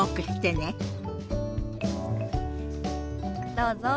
どうぞ。